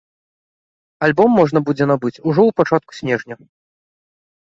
Альбом можна будзе набыць ужо ў пачатку снежня.